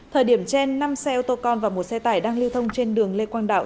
thời điểm trên năm xe ô tô con và một xe tải đang lưu thông trên đường lê quang đạo